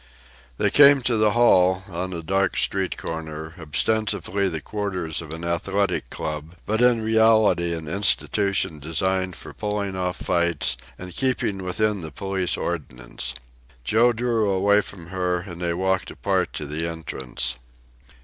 They came to the hall, on a dark street corner, ostensibly the quarters of an athletic club, but in reality an institution designed for pulling off fights and keeping within the police ordinance. Joe drew away from her, and they walked apart to the entrance.